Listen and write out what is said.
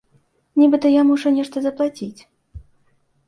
Нібыта я мушу нешта заплаціць.